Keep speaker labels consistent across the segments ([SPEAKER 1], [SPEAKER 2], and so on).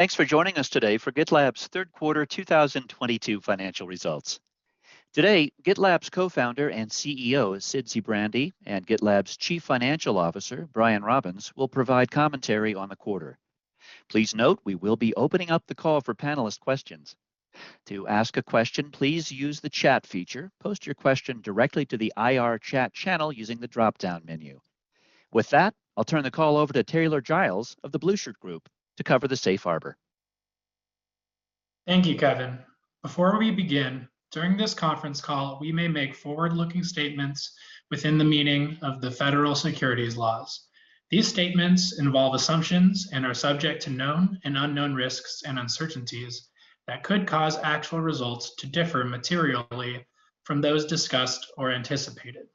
[SPEAKER 1] Thanks for joining us today for GitLab's third quarter 2022 financial results. Today, GitLab's Co-Founder and CEO, Sid Sijbrandij, and GitLab's Chief Financial Officer, Brian Robbins, will provide commentary on the quarter. Please note we will be opening up the call for panelist questions. To ask a question, please use the chat feature. Post your question directly to the IR chat channel using the dropdown menu. With that, I'll turn the call over to Taylor Giles of The Blueshirt Group to cover the safe harbor.
[SPEAKER 2] Thank you, Kevin. Before we begin, during this conference call, we may make forward-looking statements within the meaning of the federal securities laws. These statements involve assumptions and are subject to known and unknown risks and uncertainties that could cause actual results to differ materially from those discussed or anticipated.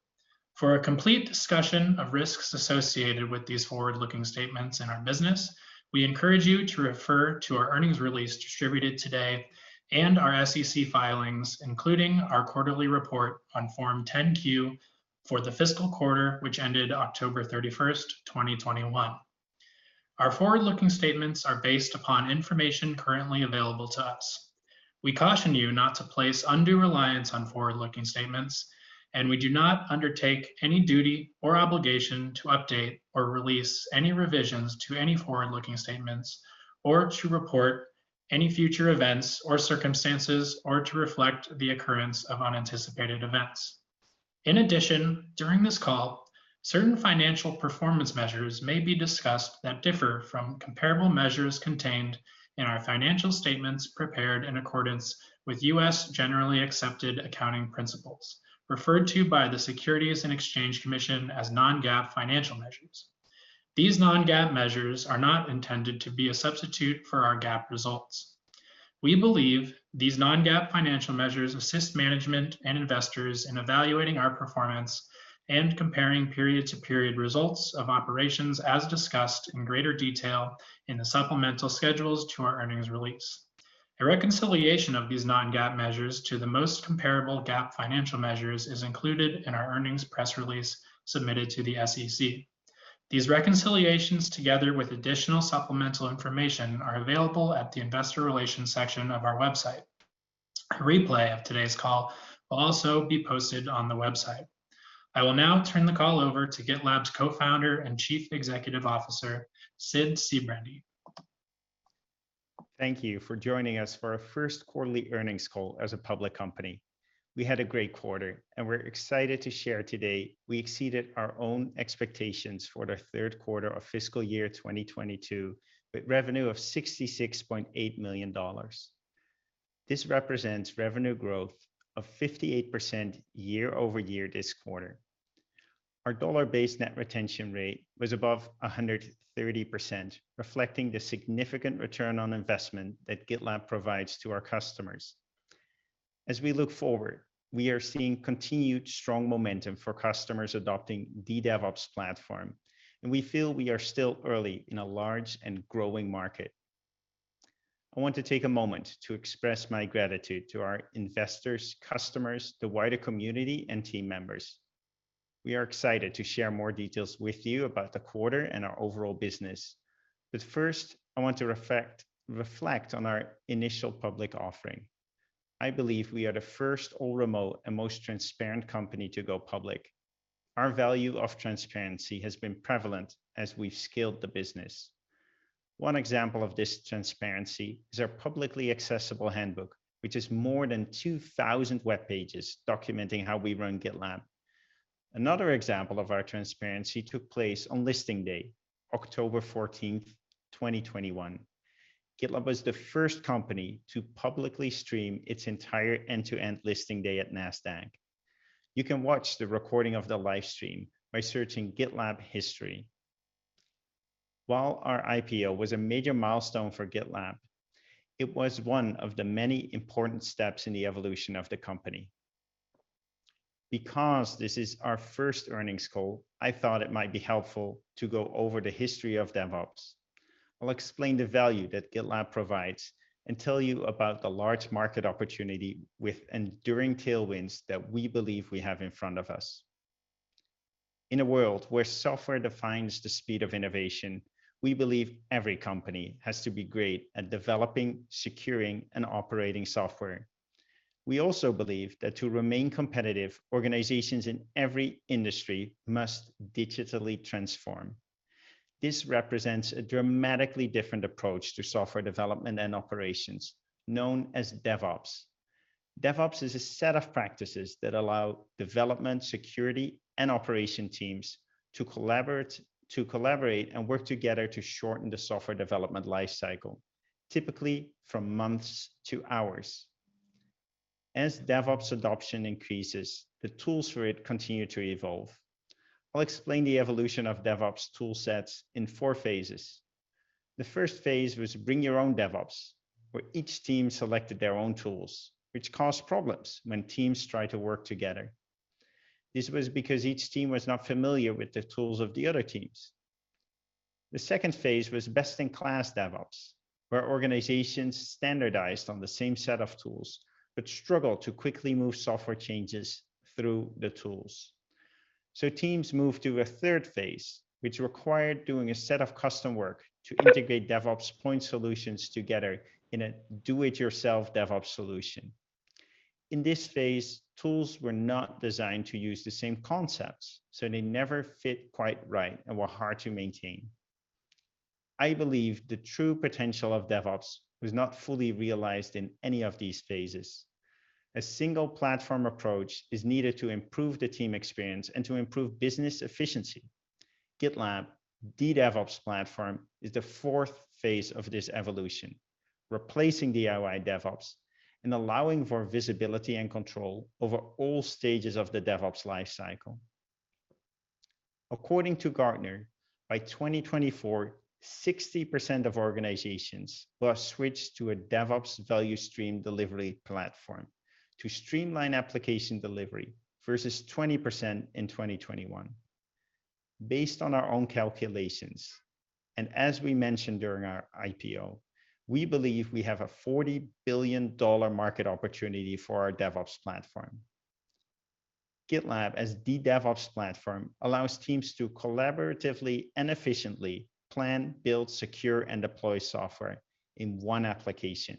[SPEAKER 2] For a complete discussion of risks associated with these forward-looking statements in our business, we encourage you to refer to our earnings release distributed today and our SEC filings, including our quarterly report on Form 10-Q for the fiscal quarter, which ended October 31st, 2021. Our forward-looking statements are based upon information currently available to us. We caution you not to place undue reliance on forward-looking statements, and we do not undertake any duty or obligation to update or release any revisions to any forward-looking statements or to report any future events or circumstances, or to reflect the occurrence of unanticipated events. In addition, during this call, certain financial performance measures may be discussed that differ from comparable measures contained in our financial statements prepared in accordance with U.S. generally accepted accounting principles referred to by the Securities and Exchange Commission as non-GAAP financial measures. These non-GAAP measures are not intended to be a substitute for our GAAP results. We believe these non-GAAP financial measures assist management and investors in evaluating our performance and comparing period-to-period results of operations, as discussed in greater detail in the supplemental schedules to our earnings release. A reconciliation of these non-GAAP measures to the most comparable GAAP financial measures is included in our earnings press release submitted to the SEC. These reconciliations, together with additional supplemental information, are available at the investor relations section of our website. A replay of today's call will also be posted on the website. I will now turn the call over to GitLab's Co-Founder and Chief Executive Officer, Sid Sijbrandij.
[SPEAKER 3] Thank you for joining us for our first quarterly earnings call as a public company. We had a great quarter, and we're excited to share. Today we exceeded our own expectations for the third quarter of fiscal year 2022 with revenue of $66.8 million. This represents revenue growth of 58% year-over-year this quarter. Our dollar-based net retention rate was above 130%, reflecting the significant return on investment that GitLab provides to our customers. As we look forward, we are seeing continued strong momentum for customers adopting the DevOps platform, and we feel we are still early in a large and growing market. I want to take a moment to express my gratitude to our investors, customers, the wider community, and team members. We are excited to share more details with you about the quarter and our overall business. First, I want to reflect on our initial public offering. I believe we are the first all-remote and most transparent company to go public. Our value of transparency has been prevalent as we've scaled the business. One example of this transparency is our publicly accessible handbook, which is more than 2,000 web pages documenting how we run GitLab. Another example of our transparency took place on listing day, October 14th, 2021. GitLab was the first company to publicly stream its entire end-to-end listing day at Nasdaq. You can watch the recording of the live stream by searching GitLab history. While our IPO was a major milestone for GitLab, it was one of the many important steps in the evolution of the company. Because this is our first earnings call, I thought it might be helpful to go over the history of DevOps. I'll explain the value that GitLab provides and tell you about the large market opportunity with enduring tailwinds that we believe we have in front of us. In a world where software defines the speed of innovation, we believe every company has to be great at developing, securing, and operating software. We also believe that to remain competitive, organizations in every industry must digitally transform. This represents a dramatically different approach to software development and operations known as DevOps. DevOps is a set of practices that allow development, security, and operation teams to collaborate and work together to shorten the software development life cycle, typically from months to hours. As DevOps adoption increases, the tools for it continue to evolve. I'll explain the evolution of DevOps tool sets in four phases. The phase I was bring your own DevOps, where each team selected their own tools, which caused problems when teams tried to work together. This was because each team was not familiar with the tools of the other teams. The phase II was best-in-class DevOps, where organizations standardized on the same set of tools but struggled to quickly move software changes through the tools. Teams moved to phase III, which required doing a set of custom work to integrate DevOps point solutions together in a do it yourself DevOps solution. In this phase, tools were not designed to use the same concepts, so they never fit quite right and were hard to maintain. I believe the true potential of DevOps was not fully realized in any of these phases. A single platform approach is needed to improve the team experience and to improve business efficiency. GitLab, the DevOps platform is the phase of this evolution, replacing DIY DevOps and allowing for visibility and control over all stages of the DevOps lifecycle. According to Gartner, by 2024, 60% of organizations will have switched to a DevOps value stream delivery platform to streamline application delivery, versus 20% in 2021. Based on our own calculations, and as we mentioned during our IPO, we believe we have a $40 billion market opportunity for our DevOps platform. GitLab as the DevOps Platform allows teams to collaboratively and efficiently plan, build, secure and deploy software in one application.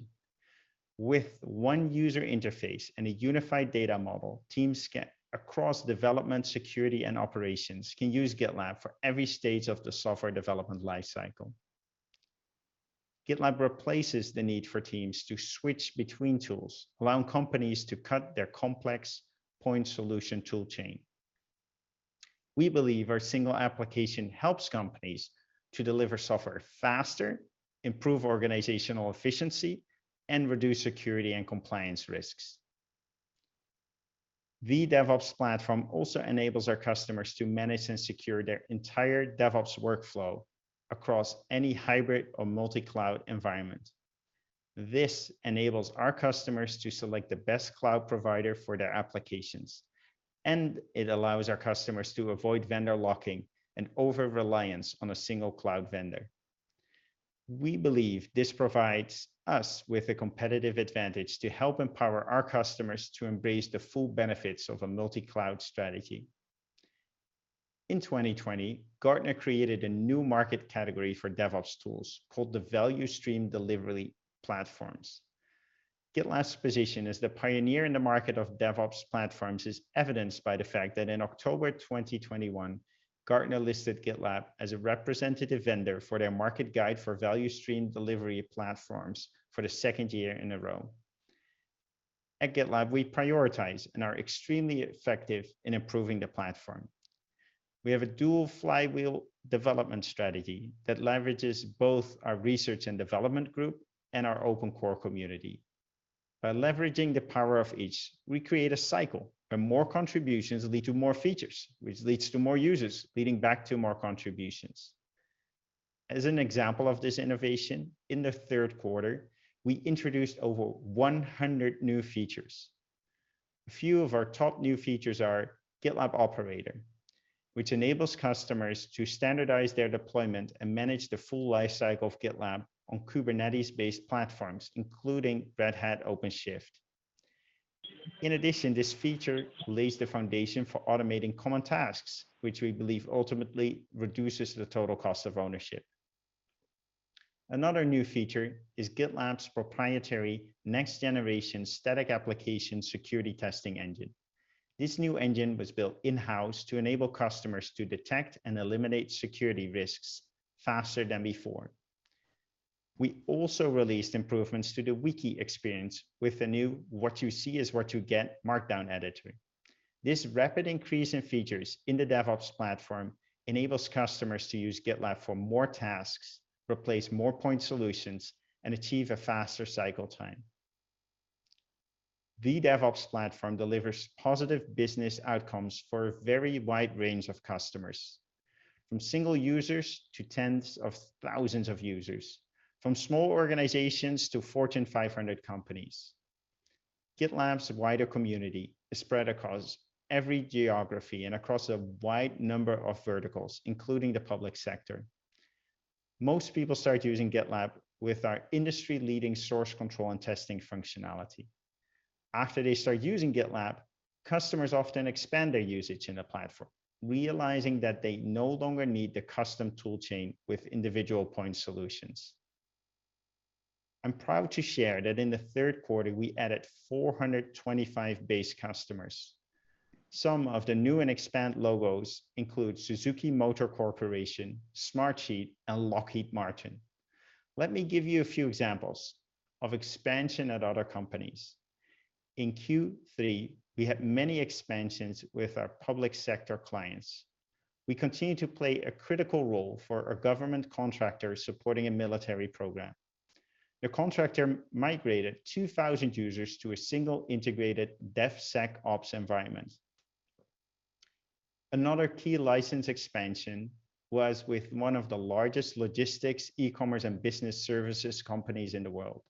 [SPEAKER 3] With one user interface and a unified data model, teams across development, security and operations can use GitLab for every stage of the software development lifecycle. GitLab replaces the need for teams to switch between tools, allowing companies to cut their complex point solution tool chain We believe our single application helps companies to deliver software faster, improve organizational efficiency, and reduce security and compliance risks. The DevOps platform also enables our customers to manage and secure their entire DevOps workflow across any hybrid or multi-cloud environment. This enables our customers to select the best cloud provider for their applications, and it allows our customers to avoid vendor locking and over-reliance on a single cloud vendor. We believe this provides us with a competitive advantage to help empower our customers to embrace the full benefits of a multi-cloud strategy. In 2020, Gartner created a new market category for DevOps tools called the Value Stream Delivery Platforms. GitLab's position as the pioneer in the market of DevOps platforms is evidenced by the fact that in October 2021, Gartner listed GitLab as a representative vendor for their market guide for Value Stream Delivery Platforms for the second year in a row. At GitLab, we prioritize and are extremely effective in improving the platform. We have a dual flywheel development strategy that leverages both our research and development group and our open core community. By leveraging the power of each, we create a cycle where more contributions lead to more features, which leads to more users, leading back to more contributions. As an example of this innovation, in the third quarter, we introduced over 100 new features. A few of our top new features are GitLab Operator, which enables customers to standardize their deployment and manage the full lifecycle of GitLab on Kubernetes-based platforms, including Red Hat OpenShift. In addition, this feature lays the foundation for automating common tasks, which we believe ultimately reduces the total cost of ownership. Another new feature is GitLab's proprietary next generation Static Application Security Testing engine. This new engine was built in-house to enable customers to detect and eliminate security risks faster than before. We also released improvements to the wiki experience with the new what you see is what you get Markdown editor. This rapid increase in features in the DevOps platform enables customers to use GitLab for more tasks, replace more point solutions, and achieve a faster cycle time. The DevOps platform delivers positive business outcomes for a very wide range of customers, from single users to tens of thousands of users, from small organizations to Fortune 500 companies. GitLab's wider community is spread across every geography and across a wide number of verticals, including the public sector. Most people start using GitLab with our industry-leading source control and testing functionality. After they start using GitLab, customers often expand their usage in the platform, realizing that they no longer need the custom tool chain with individual point solutions. I'm proud to share that in the third quarter we added 425 base customers. Some of the new and expand logos include Suzuki Motor Corporation, Smartsheet, and Lockheed Martin. Let me give you a few examples of expansion at other companies. In Q3, we had many expansions with our public sector clients. We continue to play a critical role for a government contractor supporting a military program. The contractor migrated 2,000 users to a single integrated DevSecOps environment. Another key license expansion was with one of the largest logistics, e-commerce, and business services companies in the world.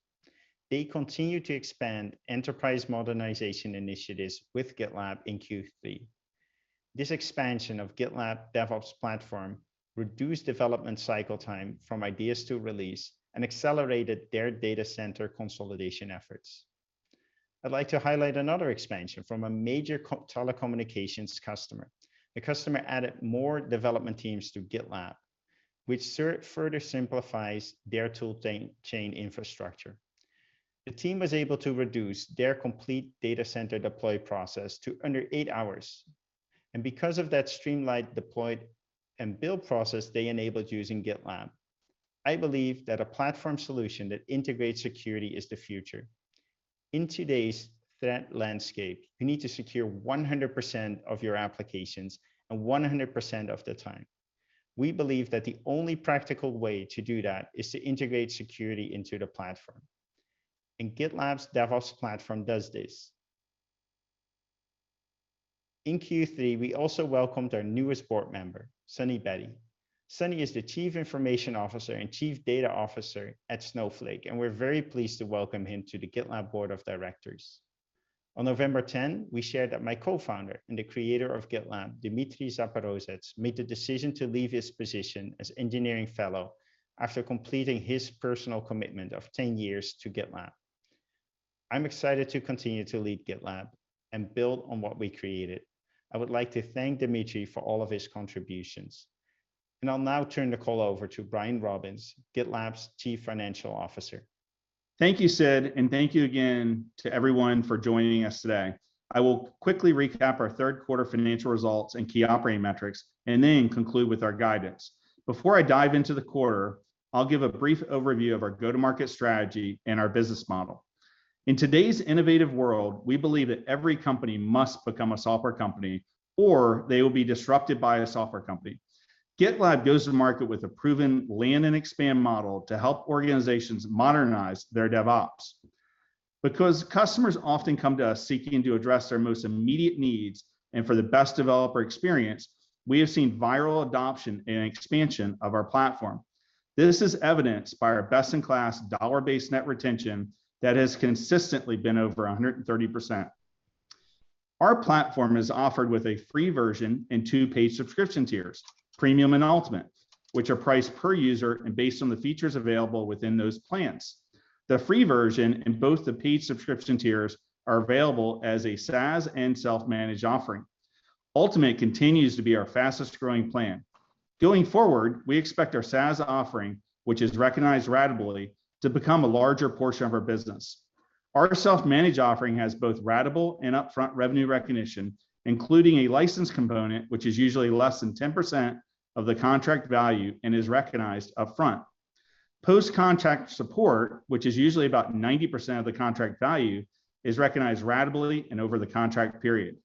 [SPEAKER 3] They continued to expand enterprise modernization initiatives with GitLab in Q3. This expansion of GitLab DevOps platform reduced development cycle time from ideas to release and accelerated their data center consolidation efforts. I'd like to highlight another expansion from a major telecommunications customer. The customer added more development teams to GitLab, which further simplifies their toolchain infrastructure. The team was able to reduce their complete data center deployment process to under eight hours, and because of that streamlined deployment and build process they enabled using GitLab. I believe that a platform solution that integrates security is the future. In today's threat landscape, you need to secure 100% of your applications and 100% of the time. We believe that the only practical way to do that is to integrate security into the platform, and GitLab's DevOps platform does this. In Q3, we also welcomed our newest board member, Sunny Bedi. Sunny is the Chief Information Officer and Chief Data Officer at Snowflake, and we're very pleased to welcome him to the GitLab Board of Directors. On November 10, we shared that my co-founder and the creator of GitLab, Dmitriy Zaporozhets, made the decision to leave his position as Engineering Fellow after completing his personal commitment of 10 years to GitLab. I'm excited to continue to lead GitLab and build on what we created. I would like to thank Dmitriy for all of his contributions. I'll now turn the call over to Brian Robins, GitLab's Chief Financial Officer.
[SPEAKER 4] Thank you, Sid, and thank you again to everyone for joining us today. I will quickly recap our third quarter financial results and key operating metrics, and then conclude with our guidance. Before I dive into the quarter, I'll give a brief overview of our go-to-market strategy and our business model. In today's innovative world, we believe that every company must become a software company, or they will be disrupted by a software company. GitLab goes to market with a proven land and expand model to help organizations modernize their DevOps. Because customers often come to us seeking to address their most immediate needs and for the best developer experience, we have seen viral adoption and expansion of our platform. This is evidenced by our best-in-class dollar-based net retention that has consistently been over 130%. Our platform is offered with a free version and two paid subscription tiers, Premium and Ultimate, which are priced per user and based on the features available within those plans. The free version and both the paid subscription tiers are available as a SaaS and self-managed offering. Ultimate continues to be our fastest-growing plan. Going forward, we expect our SaaS offering, which is recognized ratably, to become a larger portion of our business. Our self-managed offering has both ratable and upfront revenue recognition, including a license component, which is usually less than 10% of the contract value and is recognized upfront. Post-contract support, which is usually about 90% of the contract value, is recognized ratably and over the contract period.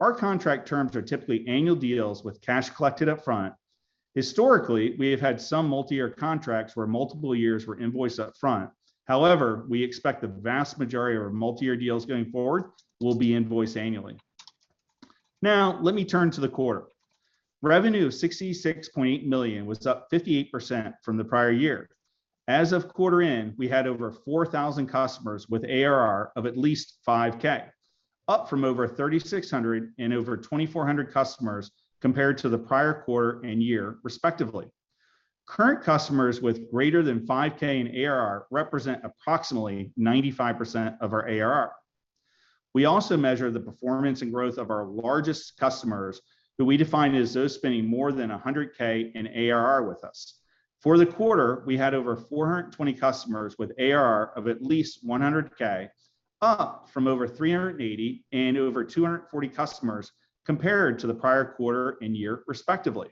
[SPEAKER 4] Our contract terms are typically annual deals with cash collected up front. Historically, we have had some multi-year contracts where multiple years were invoiced up front. However, we expect the vast majority of our multi-year deals going forward will be invoiced annually. Now, let me turn to the quarter. Revenue of $66.8 million was up 58% from the prior year. As of quarter end, we had over 4,000 customers with ARR of at least $5,000, up from over 3,600 and over 2,400 customers compared to the prior quarter and year, respectively. Current customers with greater than $5,000 in ARR represent approximately 95% of our ARR. We also measure the performance and growth of our largest customers, who we define as those spending more than $100,000 in ARR with us. For the quarter, we had over 420 customers with ARR of at least 100,000, up from over 380 and over 240 customers compared to the prior quarter and year, respectively.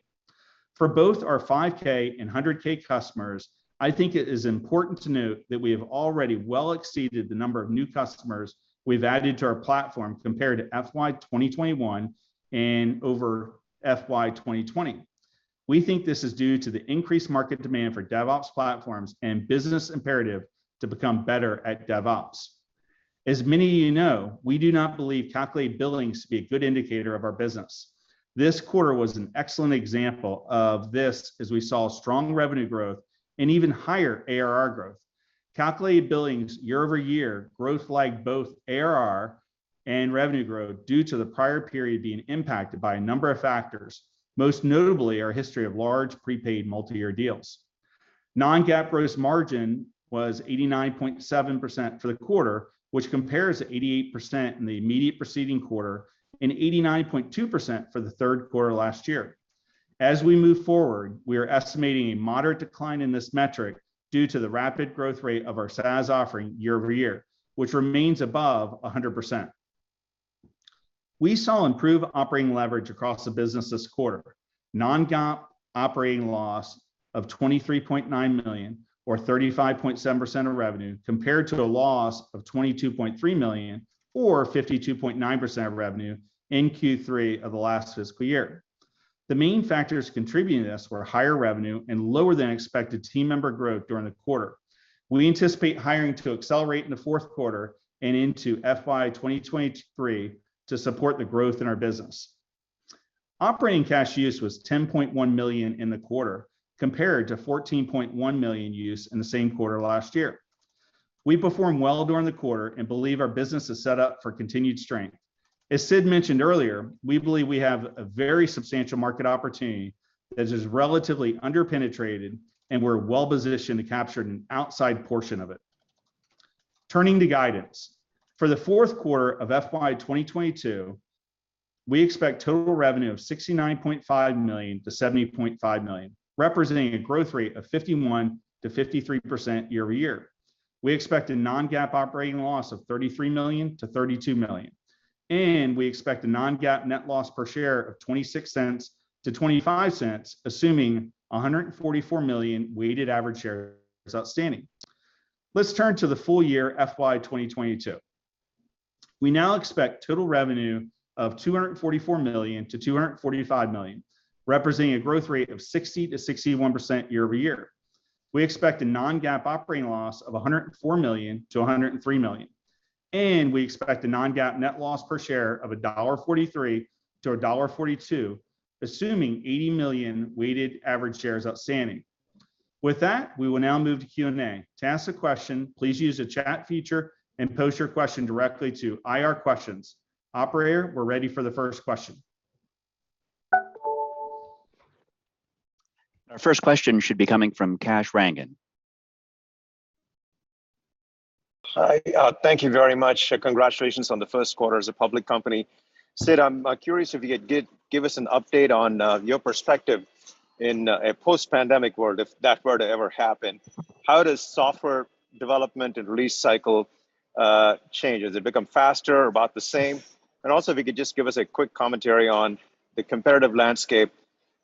[SPEAKER 4] For both our 5,000 and 100,000 customers, I think it is important to note that we have already well exceeded the number of new customers we've added to our platform compared to FY 2021 and over FY 2020. We think this is due to the increased market demand for DevOps platforms and business imperative to become better at DevOps. As many of you know, we do not believe calculated billings to be a good indicator of our business. This quarter was an excellent example of this as we saw strong revenue growth and even higher ARR growth. Calculated billings year-over-year growth like both ARR and revenue growth due to the prior period being impacted by a number of factors, most notably our history of large prepaid multi-year deals. Non-GAAP gross margin was 89.7% for the quarter, which compares to 88% in the immediate preceding quarter and 89.2% for the third quarter last year. As we move forward, we are estimating a moderate decline in this metric due to the rapid growth rate of our SaaS offering year-over-year, which remains above 100%. We saw improved operating leverage across the business this quarter. Non-GAAP operating loss of $23.9 million or 35.7% of revenue compared to a loss of $22.3 million or 52.9% of revenue in Q3 of the last fiscal year. The main factors contributing to this were higher revenue and lower than expected team member growth during the quarter. We anticipate hiring to accelerate in the fourth quarter and into FY 2023 to support the growth in our business. Operating cash use was $10.1 million in the quarter, compared to $14.1 million use in the same quarter last year. We performed well during the quarter and believe our business is set up for continued strength. As Sid mentioned earlier, we believe we have a very substantial market opportunity that is relatively under-penetrated, and we're well-positioned to capture an outside portion of it. Turning to guidance. For the fourth quarter of FY 2022, we expect total revenue of $69.5 million-$70.5 million, representing a growth rate of 51%-53% year over year. We expect a non-GAAP operating loss of $33 million-$32 million, and we expect a non-GAAP net loss per share of $0.26-$0.25, assuming 144 million weighted average shares outstanding. Let's turn to the full year FY 2022. We now expect total revenue of $244 million-$245 million, representing a growth rate of 60%-61% year-over-year. We expect a non-GAAP operating loss of $104 million-$103 million, and we expect a non-GAAP net loss per share of $1.43-$1.42, assuming 80 million weighted average shares outstanding. With that, we will now move to Q&A. To ask a question, please use the chat feature and post your question directly to IR questions. Operator, we're ready for the first question.
[SPEAKER 1] Our first question should be coming from Kash Rangan.
[SPEAKER 5] Hi. Thank you very much. Congratulations on the first quarter as a public company. Sid, I'm curious if you could give us an update on your perspective in a post-pandemic world, if that were to ever happen. How does software development and release cycle change? Does it become faster? About the same? Also, if you could just give us a quick commentary on the competitive landscape,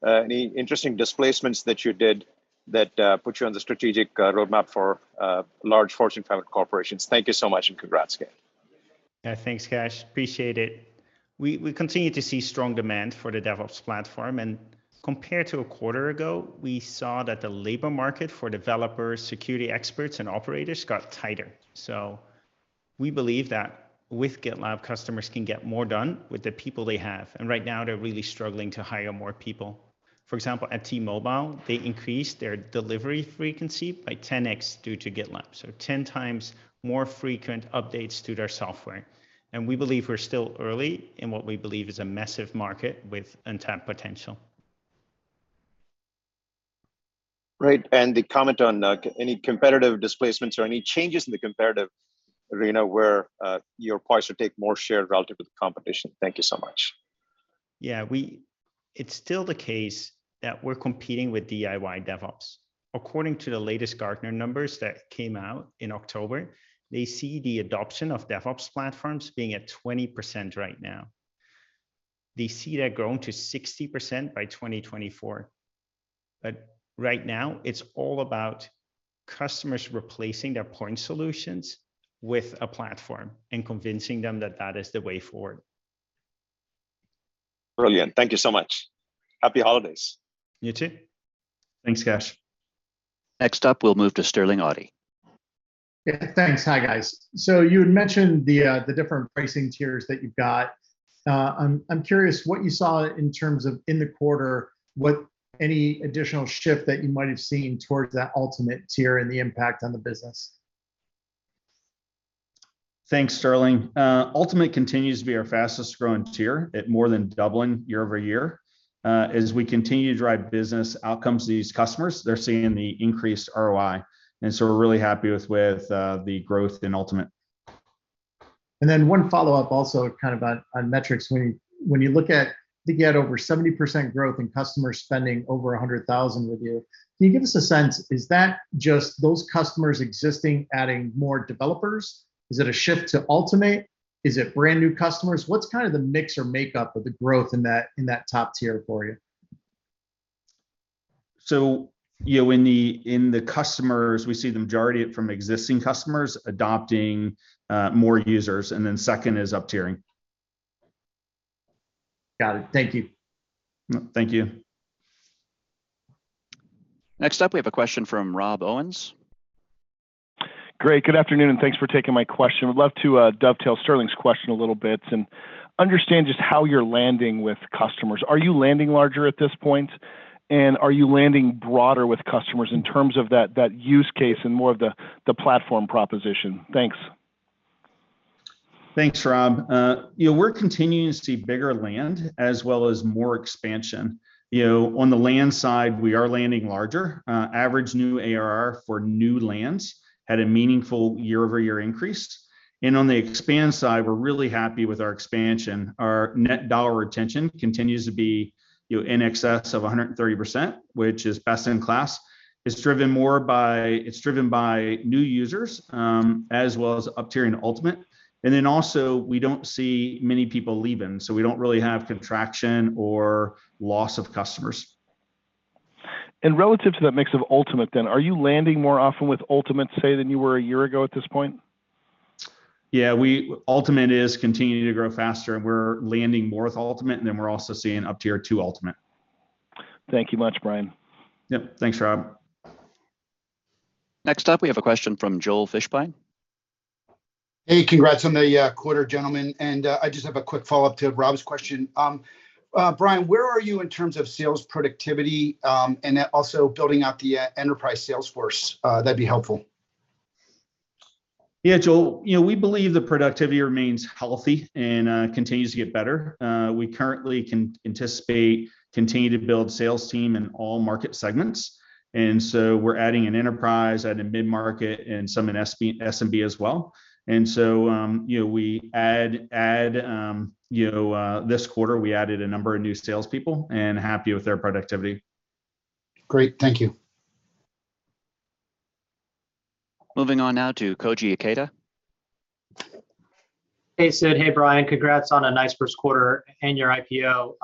[SPEAKER 5] any interesting displacements that you did that put you on the strategic roadmap for large Fortune private corporations. Thank you so much, and congrats again.
[SPEAKER 3] Yeah, thanks, Kash. Appreciate it. We continue to see strong demand for the DevOps platform, and compared to a quarter ago, we saw that the labor market for developers, security experts, and operators got tighter. We believe that with GitLab, customers can get more done with the people they have, and right now they're really struggling to hire more people. For example, at T-Mobile, they increased their delivery frequency by 10x due to GitLab, so 10x more frequent updates to their software. We believe we're still early in what we believe is a massive market with untapped potential.
[SPEAKER 5] Right. The comment on any competitive displacements or any changes in the competitive arena where you're poised to take more share relative to the competition. Thank you so much.
[SPEAKER 3] Yeah. It's still the case that we're competing with DIY DevOps. According to the latest Gartner numbers that came out in October, they see the adoption of DevOps platforms being at 20% right now. They see that growing to 60% by 2024. Right now, it's all about customers replacing their point solutions with a platform and convincing them that that is the way forward.
[SPEAKER 5] Brilliant. Thank you so much. Happy holidays.
[SPEAKER 3] You too.
[SPEAKER 4] Thanks, Kash.
[SPEAKER 1] Next up, we'll move to Sterling Auty.
[SPEAKER 6] Yeah, thanks. Hi, guys. You had mentioned the different pricing tiers that you've got. I'm curious what you saw in terms of in the quarter, what any additional shift that you might have seen towards that Ultimate tier and the impact on the business.
[SPEAKER 4] Thanks, Sterling. Ultimate continues to be our fastest growing tier at more than doubling year-over-year. As we continue to drive business outcomes to these customers, they're seeing the increased ROI, and so we're really happy with the growth in Ultimate.
[SPEAKER 6] One follow-up also kind of on metrics. When you look at you get over 70% growth in customers spending over $100,000 with you, can you give us a sense, is that just those customers existing adding more developers? Is it a shift to Ultimate? Is it brand-new customers? What's kind of the mix or makeup of the growth in that top tier for you?
[SPEAKER 4] You know, in the customers, we see the majority from existing customers adopting more users, and then second is up-tiering.
[SPEAKER 6] Got it. Thank you.
[SPEAKER 4] Thank you.
[SPEAKER 1] Next up, we have a question from Rob Owens.
[SPEAKER 7] Great. Good afternoon, and thanks for taking my question. Would love to dovetail Sterling's question a little bit and understand just how you're landing with customers. Are you landing larger at this point, and are you landing broader with customers in terms of that use case and more of the platform proposition? Thanks.
[SPEAKER 4] Thanks, Rob. You know, we're continuing to see bigger land as well as more expansion. You know, on the land side, we are landing larger. Average new ARR for new lands had a meaningful year-over-year increase. On the expand side, we're really happy with our expansion. Our net dollar retention continues to be, you know, in excess of 130%, which is best in class. It's driven by new users, as well as up-tiering Ultimate. We don't see many people leaving, so we don't really have contraction or loss of customers.
[SPEAKER 7] Relative to that mix of Ultimate then, are you landing more often with Ultimate, say, than you were a year ago at this point?
[SPEAKER 4] Yeah, Ultimate is continuing to grow faster, and we're landing more with Ultimate, and then we're also seeing up-tier to Ultimate.
[SPEAKER 7] Thank you much, Brian.
[SPEAKER 4] Yep. Thanks, Rob.
[SPEAKER 1] Next up, we have a question from Joel Fishbein.
[SPEAKER 8] Hey, congrats on the quarter, gentlemen. I just have a quick follow-up to Rob's question. Brian, where are you in terms of sales productivity, and then also building out the enterprise sales force? That'd be helpful.
[SPEAKER 4] Yeah, Joel, you know, we believe that productivity remains healthy and continues to get better. We currently can anticipate continuing to build sales team in all market segments. We're adding an enterprise, adding mid-market, and some in SMB as well. You know, this quarter we added a number of new salespeople and happy with their productivity.
[SPEAKER 8] Great. Thank you.
[SPEAKER 1] Moving on now to Koji Ikeda.
[SPEAKER 9] Hey, Sid. Hey, Brian. Congrats on a nice first quarter and your IPO.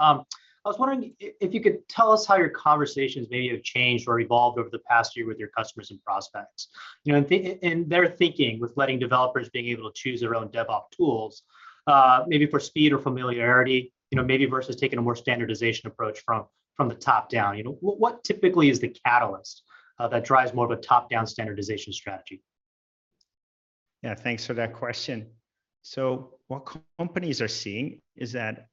[SPEAKER 9] I was wondering if you could tell us how your conversations maybe have changed or evolved over the past year with your customers and prospects. You know, and their thinking with letting developers being able to choose their own DevOps tools, maybe for speed or familiarity, you know, maybe versus taking a more standardization approach from the top down. You know, what typically is the catalyst that drives more of a top-down standardization strategy?
[SPEAKER 3] Yeah, thanks for that question. What companies are seeing is that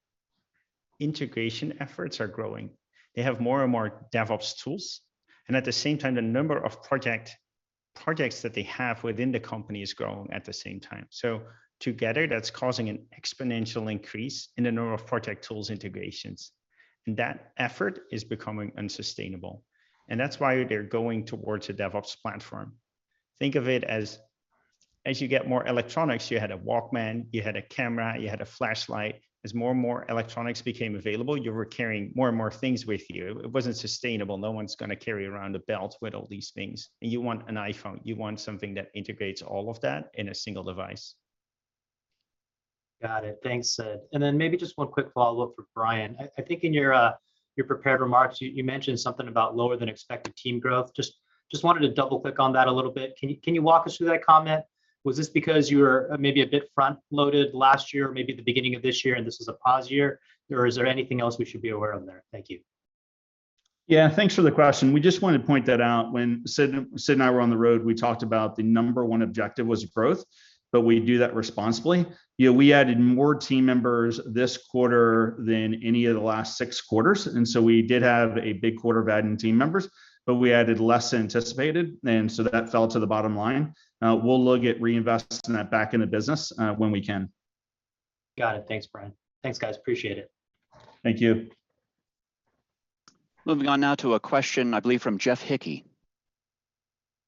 [SPEAKER 3] integration efforts are growing. They have more and more DevOps tools, and at the same time, the number of projects that they have within the company is growing at the same time. Together, that's causing an exponential increase in the number of project tools integrations, and that effort is becoming unsustainable, and that's why they're going towards a DevOps platform. Think of it as you get more electronics, you had a Walkman, you had a camera, you had a flashlight. As more and more electronics became available, you were carrying more and more things with you. It wasn't sustainable. No one's gonna carry around a belt with all these things, and you want an iPhone. You want something that integrates all of that in a single device.
[SPEAKER 9] Got it. Thanks, Sid. Maybe just one quick follow-up for Brian. I think in your prepared remarks, you mentioned something about lower than expected team growth. Just wanted to double-click on that a little bit. Can you walk us through that comment? Was this because you were maybe a bit front-loaded last year or maybe the beginning of this year, and this is a pause year? Or is there anything else we should be aware of there? Thank you.
[SPEAKER 4] Yeah. Thanks for the question. We just wanted to point that out when Sid and I were on the road, we talked about the number one objective was growth, but we do that responsibly. You know, we added more team members this quarter than any of the last six quarters, and so we did have a big quarter of adding team members, but we added less than anticipated. That fell to the bottom line. We'll look at reinvesting that back in the business when we can.
[SPEAKER 9] Got it. Thanks, Brian. Thanks, guys. Appreciate it.
[SPEAKER 1] Thank you. Moving on now to a question, I believe, from Jeff Hickey.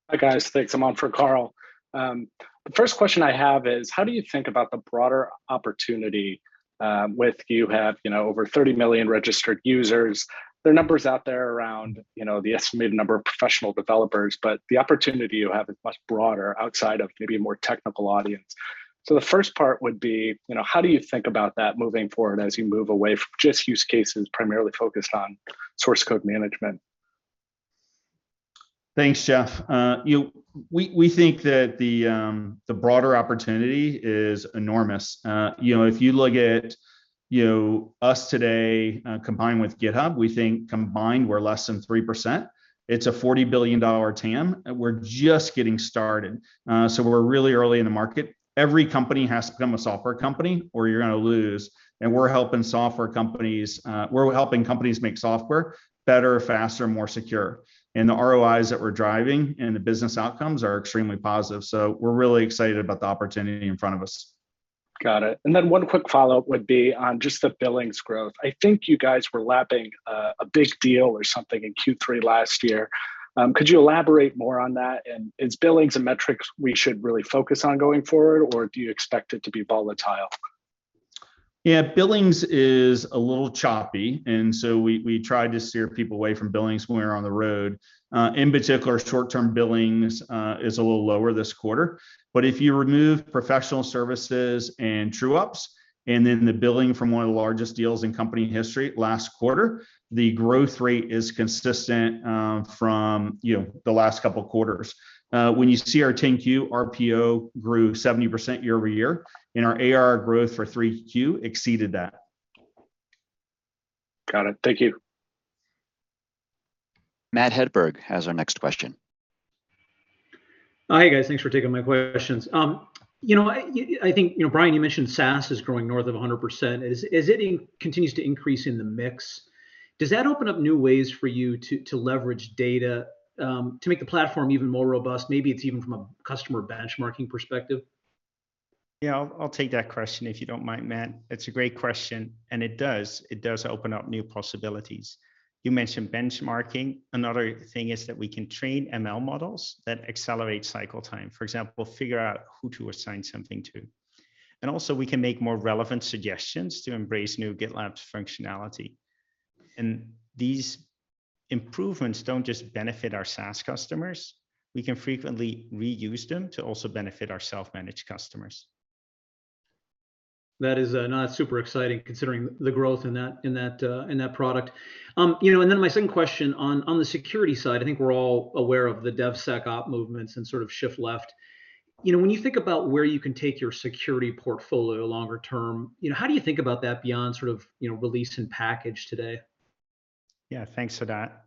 [SPEAKER 10] Hi, guys. Thanks. I'm on for Carl. The first question I have is, how do you think about the broader opportunity with what you have, you know, over 30 million registered users? There are numbers out there around, you know, the estimated number of professional developers, but the opportunity you have is much broader outside of maybe a more technical audience. The first part would be, you know, how do you think about that moving forward as you move away from just use cases primarily focused on source code management?
[SPEAKER 4] Thanks, Carl. You know, we think that the broader opportunity is enormous. If you look at us today, combined with GitHub, we think combined we're less than 3%. It's a $40 billion TAM, and we're just getting started. We're really early in the market. Every company has to become a software company or you're gonna lose, and we're helping companies make software better, faster, more secure. The ROIs that we're driving and the business outcomes are extremely positive. We're really excited about the opportunity in front of us.
[SPEAKER 10] Got it. One quick follow-up would be on just the billings growth. I think you guys were lapping a big deal or something in Q3 last year. Could you elaborate more on that? Is billings a metric we should really focus on going forward, or do you expect it to be volatile?
[SPEAKER 4] Yeah. Billings is a little choppy, and so we try to steer people away from billings when we're on the road. In particular, short-term billings is a little lower this quarter. If you remove professional services and true-ups and then the billing from one of the largest deals in company history last quarter, the growth rate is consistent from, you know, the last couple of quarters. When you see our 10-Q, RPO grew 70% year-over-year, and our ARR growth for Q3 exceeded that.
[SPEAKER 10] Got it. Thank you.
[SPEAKER 1] Matt Hedberg has our next question.
[SPEAKER 11] Hi, guys. Thanks for taking my questions. You know, I think, you know, Brian, you mentioned SaaS is growing north of 100%. As it continues to increase in the mix, does that open up new ways for you to leverage data to make the platform even more robust? Maybe it's even from a customer benchmarking perspective.
[SPEAKER 3] Yeah. I'll take that question, if you don't mind, Matt. It's a great question, and it does open up new possibilities. You mentioned benchmarking. Another thing is that we can train ML models that accelerate cycle time. For example, figure out who to assign something to. Also, we can make more relevant suggestions to embrace new GitLab's functionality. These improvements don't just benefit our SaaS customers. We can frequently reuse them to also benefit our self-managed customers.
[SPEAKER 11] That is super exciting considering the growth in that product. You know, my second question on the security side, I think we're all aware of the DevSecOps movements and sort of shift left. You know, when you think about where you can take your security portfolio longer term, you know, how do you think about that beyond sort of release and package today?
[SPEAKER 3] Yeah. Thanks for that.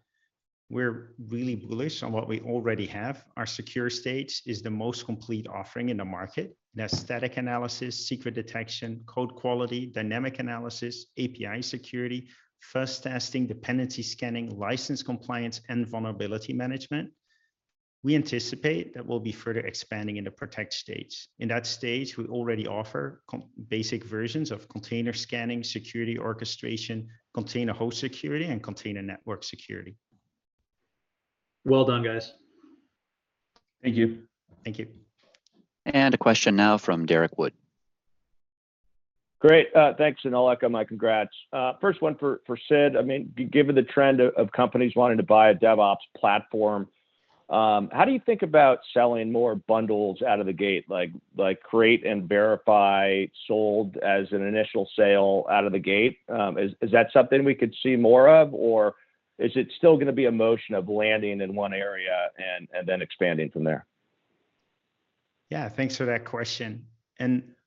[SPEAKER 3] We're really bullish on what we already have. Our Secure stage is the most complete offering in the market. The static analysis, secret detection, code quality, dynamic analysis, API security, fuzz testing, dependency scanning, license compliance, and vulnerability management. We anticipate that we'll be further expanding into Protect stage. In that stage, we already offer basic versions of container scanning, security orchestration, container host security, and container network security.
[SPEAKER 11] Well done, guys.
[SPEAKER 4] Thank you.
[SPEAKER 11] Thank you.
[SPEAKER 1] A question now from Derrick Wood.
[SPEAKER 12] Great. Thanks, and all my congrats. First one for Sid, I mean, given the trend of companies wanting to buy a DevOps platform, how do you think about selling more bundles out of the gate, like create and verify sold as an initial sale out of the gate? Is that something we could see more of, or is it still gonna be a motion of landing in one area and then expanding from there?
[SPEAKER 3] Yeah. Thanks for that question.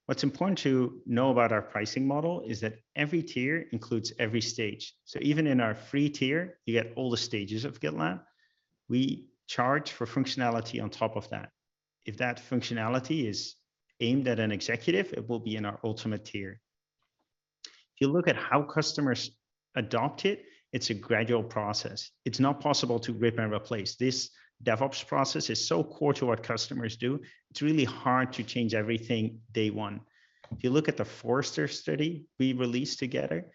[SPEAKER 3] What's important to know about our pricing model is that every tier includes every stage. Even in our Free tier, you get all the stages of GitLab. We charge for functionality on top of that. If that functionality is aimed at an executive, it will be in our Ultimate tier. If you look at how customers adopt it's a gradual process. It's not possible to rip and replace. This DevOps process is so core to what customers do, it's really hard to change everything day one. If you look at the Forrester study we released together,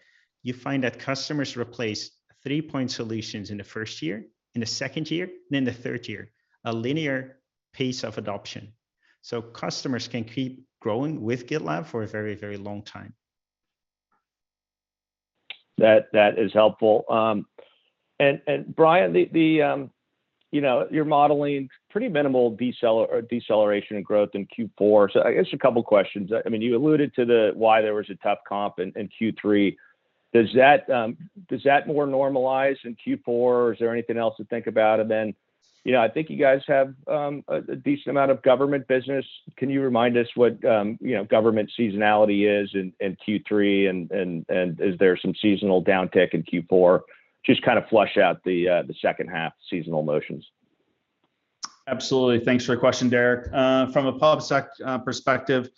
[SPEAKER 3] you find that customers replace 3-point solutions in the first year, in the second year, and in the third year, a linear pace of adoption, so customers can keep growing with GitLab for a very, very long time.
[SPEAKER 12] That is helpful. Brian, the, you know, you're modeling pretty minimal deceleration in growth in Q4. I guess a couple questions. I mean, you alluded to the why there was a tough comp in Q3. Does that more normalize in Q4, or is there anything else to think about? You know, I think you guys have a decent amount of government business. Can you remind us what, you know, government seasonality is in Q3, and is there some seasonal downtick in Q4? Just kind of flesh out the second half seasonal motions.
[SPEAKER 4] Absolutely. Thanks for the question, Derek. From a public sector perspective,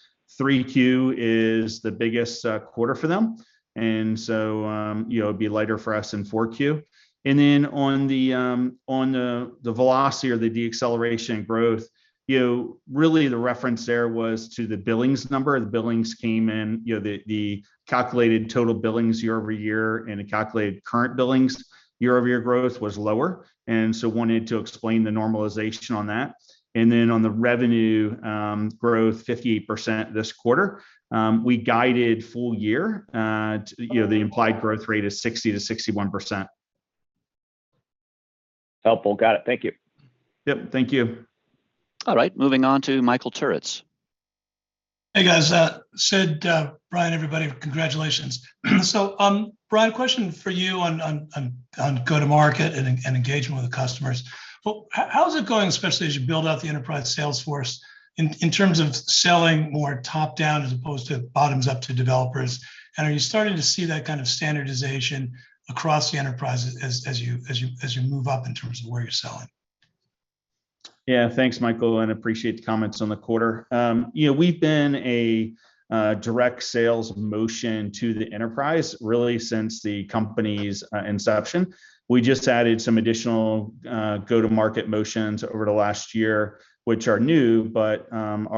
[SPEAKER 4] 3Q is the biggest quarter for them. You know, it'd be lighter for us in 4Q. On the velocity or the deceleration growth, you know, really the reference there was to the billings number. The billings came in, you know, the calculated total billings year-over-year, and the calculated current billings year-over-year growth was lower, wanted to explain the normalization on that. On the revenue growth, 58% this quarter, we guided full year to, you know, the implied growth rate is 60%-61%.
[SPEAKER 12] Helpful. Got it. Thank you.
[SPEAKER 4] Yep. Thank you.
[SPEAKER 1] All right. Moving on to Michael Turits.
[SPEAKER 13] Hey, guys. Sid, Brian everybody, congratulations. Brian, question for you on go-to-market and engagement with the customers. Well, how is it going, especially as you build out the enterprise sales force in terms of selling more top-down as opposed to bottoms-up to developers? Are you starting to see that kind of standardization across the enterprise as you move up in terms of where you're selling?
[SPEAKER 4] Yeah. Thanks, Michael, and appreciate the comments on the quarter. You know, we've been a direct sales motion to the enterprise really since the company's inception. We just added some additional go-to-market motions over the last year, which are new, but the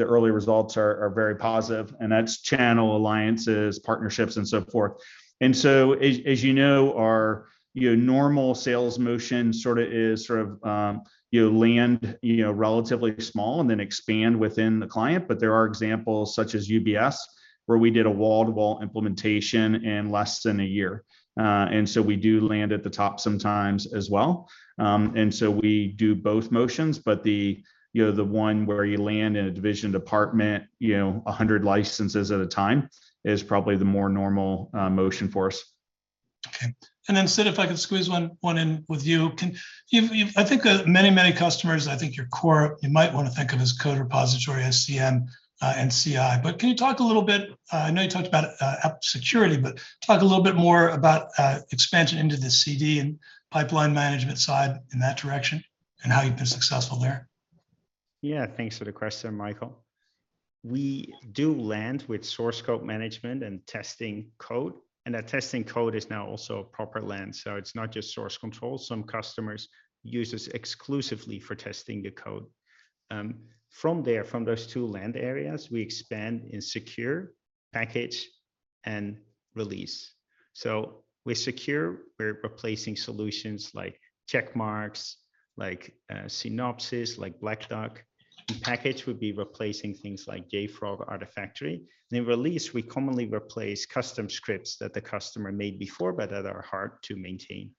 [SPEAKER 4] early results are very positive, and that's channel alliances, partnerships and so forth. As you know, our normal sales motion is sort of you know land relatively small and then expand within the client, but there are examples such as UBS, where we did a wall-to-wall implementation in less than a year. We do land at the top sometimes as well. We do both motions, but the, you know, the one where you land in a division department, you know, 100 licenses at a time is probably the more normal motion for us.
[SPEAKER 13] Okay. Sid, if I could squeeze one in with you. I think many customers, I think your core you might wanna think of as code repository, SCM, and CI, but can you talk a little bit. I know you talked about app security, but talk a little bit more about expansion into the CD and pipeline management side in that direction and how you've been successful there.
[SPEAKER 3] Yeah. Thanks for the question, Michael. We do land with source code management and testing code, and that testing code is now also a proper land, so it's not just source control. Some customers use this exclusively for testing the code. From there, from those two land areas, we expand in secure, package, and release. With secure, we're replacing solutions like Checkmarx, like Synopsys, like Black Duck. In package, we'd be replacing things like JFrog Artifactory. In release, we commonly replace custom scripts that the customer made before but that are hard to maintain.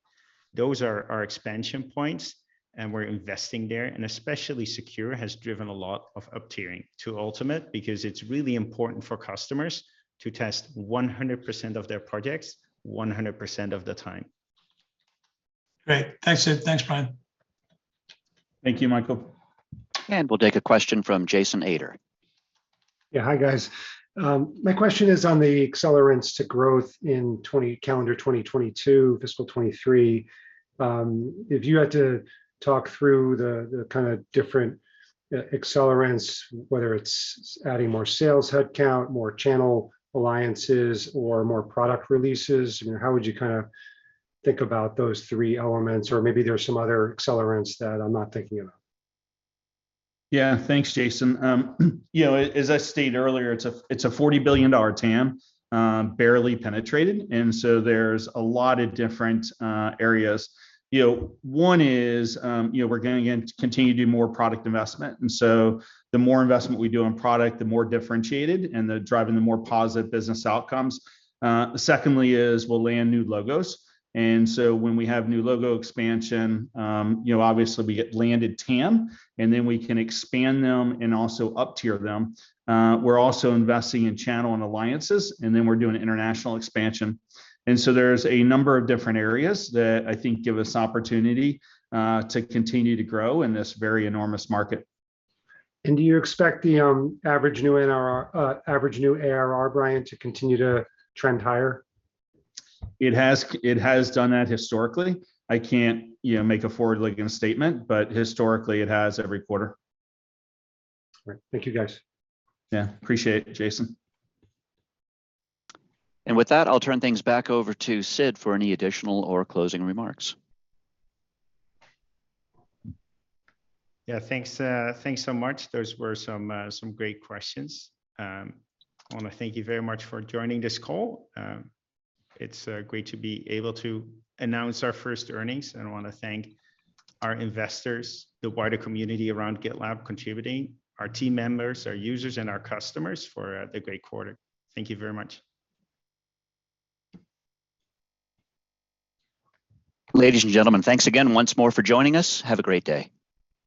[SPEAKER 3] Those are our expansion points, and we're investing there, and especially secure has driven a lot of up-tiering to Ultimate because it's really important for customers to test 100% of their projects 100% of the time.
[SPEAKER 13] Great. Thanks, Sid. Thanks, Brian.
[SPEAKER 4] Thank you, Michael.
[SPEAKER 1] We'll take a question from Jason Ader.
[SPEAKER 14] Yeah. Hi, guys. My question is on the accelerants to growth in 2020, calendar 2022, fiscal 2023. If you had to talk through the kind of different accelerants, whether it's adding more sales headcount, more channel alliances, or more product releases, you know, how would you kinda think about those three elements, or maybe there are some other accelerants that I'm not thinking of?
[SPEAKER 4] Yeah. Thanks, Jason. You know, as I stated earlier, it's a $40 billion TAM, barely penetrated, and so there's a lot of different areas. You know, one is, we're gonna again continue to do more product investment. The more investment we do on product, the more differentiated, and they're driving the more positive business outcomes. Secondly is we'll land new logos. When we have new logo expansion, obviously we get landed TAM, and then we can expand them and also up tier them. We're also investing in channel and alliances, and then we're doing international expansion. There's a number of different areas that I think give us opportunity to continue to grow in this very enormous market.
[SPEAKER 14] Do you expect the average new ARR, Brian, to continue to trend higher?
[SPEAKER 4] It has done that historically. I can't, you know, make a forward-looking statement, but historically it has every quarter.
[SPEAKER 14] All right. Thank you, guys.
[SPEAKER 4] Yeah. Appreciate it, Jason.
[SPEAKER 1] With that, I'll turn things back over to Sid for any additional or closing remarks.
[SPEAKER 3] Yeah. Thanks, thanks so much. Those were some great questions. I wanna thank you very much for joining this call. It's great to be able to announce our first earnings. I wanna thank our investors, the wider community around GitLab contributing, our team members, our users, and our customers for the great quarter. Thank you very much.
[SPEAKER 1] Ladies and gentlemen, thanks again once more for joining us. Have a great day.